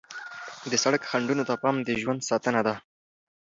د سړک خنډونو ته پام د ژوند ساتنه ده.